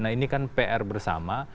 nah ini kan pr bersama